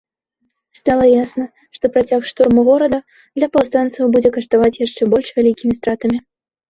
Стала ясна, што працяг штурму горада для паўстанцаў будзе каштаваць яшчэ больш вялікімі стратамі.